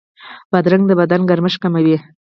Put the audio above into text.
بادرنګ د بدن ګرمښت کموي.